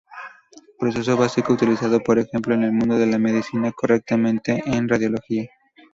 Proceso básico utilizado por ejemplo en el mundo de la medicina, concretamente en radiología.